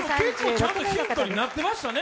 結構ちゃんとヒントになってましたね。